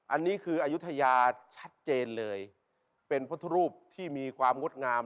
อันนี้คืออายุทยาชัดเจนเลยเป็นพุทธรูปที่มีความงดงาม